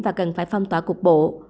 và cần phải phong tỏa cục bộ